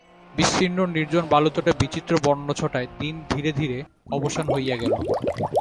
বিস্তীর্ণ নির্জন বালুতটে বিচিত্র বর্ণচ্ছটায় দিন ধীরে ধীরে অবসান হইয়া গেল।